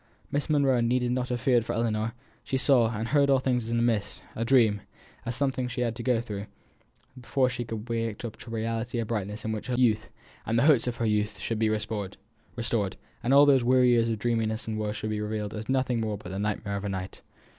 Miss Monro need not have feared for Ellinor: she saw and heard all things as in a mist a dream; as something she had to go through, before she could waken up to a reality of brightness in which her youth, and the hopes of her youth, should be restored, and all these weary years of dreaminess and woe should be revealed as nothing but the nightmare of a night.